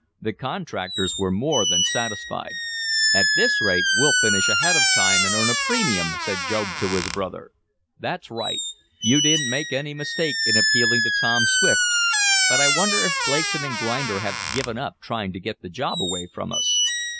The contractors were more than satisfied. "At this rate we'll finish ahead of time, and earn a premium," said Job to his brother. "That's right. You didn't make any mistake in appealing to Tom Swift. But I wonder if Blakeson & Grinder have given up trying to get the job away from us?"